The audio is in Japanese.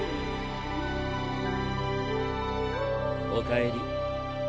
おかえり。